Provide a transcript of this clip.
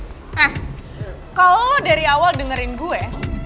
eh kalo lo dari awal dengerin gue